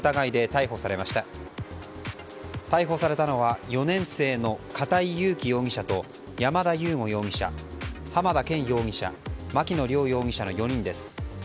逮捕されたのは４年生の片井裕貴容疑者と山田悠護容疑者と浜田健容疑者の牧野稜容疑者の４人です。